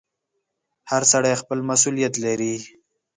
• هر سړی خپل مسؤلیت لري.